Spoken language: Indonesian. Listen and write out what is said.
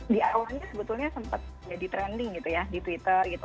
di awalnya sebetulnya sempat jadi trending gitu ya di twitter gitu